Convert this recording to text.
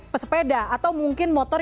pesepeda atau mungkin motor